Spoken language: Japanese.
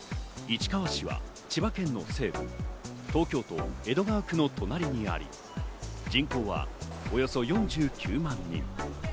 市川市は千葉県の西部、東京都江戸川区の隣にあり、人口はおよそ４９万人。